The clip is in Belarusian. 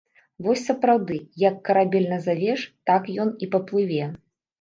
Вось сапраўды, як карабель назавеш, так ён і паплыве.